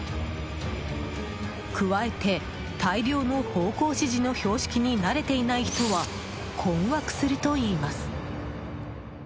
加えて、大量の方向指示の標識に慣れていない人は困惑するといいます。